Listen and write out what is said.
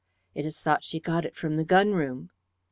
"It is thought she got it from the gun room."